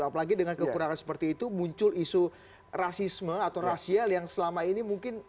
apalagi dengan kekurangan seperti itu muncul isu rasisme atau rasial yang selama ini mungkin